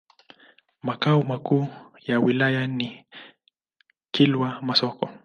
Makao makuu ya wilaya ni Kilwa Masoko.